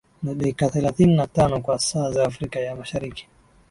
na dakika thelathini na tano kwa saa za afrika ya mashariki